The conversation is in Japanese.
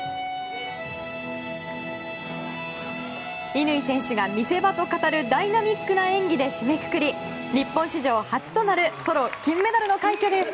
乾選手が見せ場と語るダイナミックな演技で締めくくり日本史上初となるソロ金メダルの快挙です。